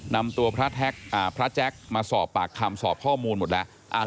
นำตัวพระแจ๊คมาสอบปากคำสอบข้อมูลหมดแล้ว